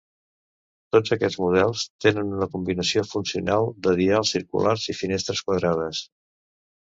Tots aquests models tenen una combinació funcional de dials circulars i finestres quadrades.